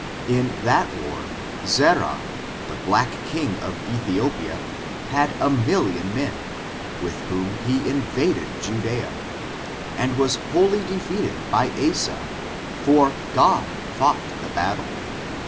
In that war, Zerah, the black king of Ethiopia, had a million of men, with whom he in vaded Judea, and was wholly defeated by Asa, for . God fought the battle.